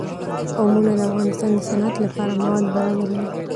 قومونه د افغانستان د صنعت لپاره مواد برابروي.